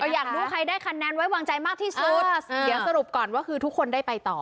อยากรู้ใครได้คะแนนไว้วางใจมากที่สุดเดี๋ยวสรุปก่อนว่าคือทุกคนได้ไปต่อ